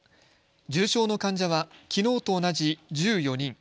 重症の患者はきのうと同じ１４人。